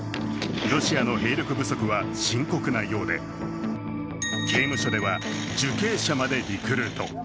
ロシアの兵力不足は深刻なようで、刑務所では受刑者までリクルート。